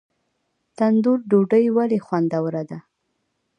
تندور ډوډۍ ولې خوندوره ده؟